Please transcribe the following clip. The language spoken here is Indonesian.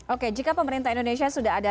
oke jika pemerintah indonesia sudah ada